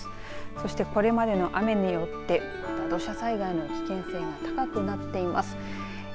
そしてこれまでの雨によって土砂災害の危険性が高くなっています。